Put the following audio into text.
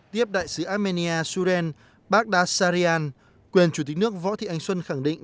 tiếp đại sứ armenia surin baghdad sarian quyền chủ tịch nước võ thị anh xuân khẳng định